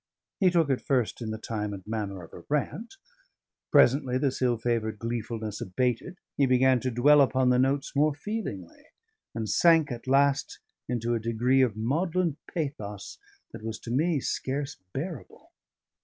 He took it first in the time and manner of a rant; presently this ill favoured gleefulness abated, he began to dwell upon the notes more feelingly, and sank at last into a degree of maudlin pathos that was to me scarce bearable.